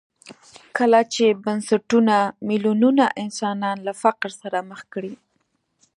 کله چې بنسټونه میلیونونه انسانان له فقر سره مخ کړي.